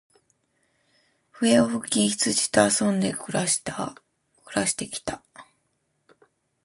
笛を吹き、羊と遊んで暮して来た。